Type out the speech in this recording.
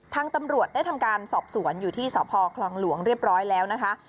ทางตำรวจได้ทำการสอบสวนอยู่ที่สพคลองหลวงเรียบร้อยแล้วนะคะ